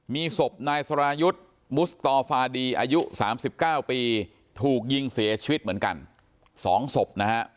มีศพนายสรายุทธ์มุสตอฟาดีอายุ๓๙ปีถูกยิงเสียชีวิตเหมือนกัน๒ศพนะฮะ